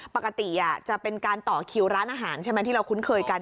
ปกติจะเป็นการต่อคิวร้านอาหารใช่ไหมที่เราคุ้นเคยกัน